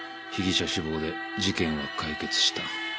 被疑者死亡で事件は解決した。